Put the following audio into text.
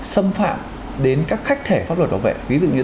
xâm phạm đến các khách thể pháp luật bảo vệ